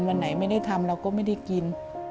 วันไหนไม่ได้ทำเราก็ไม่ได้กิน